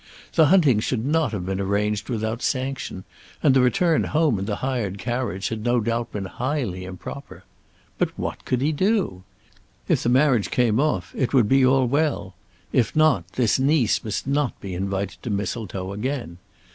The hunting should not have been arranged without sanction; and the return home in the hired carriage had no doubt been highly improper. But what could he do? If the marriage came off it would be all well. If not, this niece must not be invited to Mistletoe again.